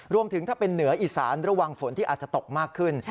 รวมถึงถ้าเป็นเหนืออีสานระวังฝนที่อาจจะตกมากขึ้น